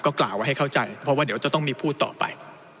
กล่าวไว้ให้เข้าใจเพราะว่าเดี๋ยวจะต้องมีพูดต่อไป